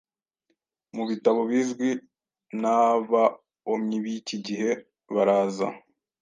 mubitabo bizwi nabaomyi b'iki gihe, baraza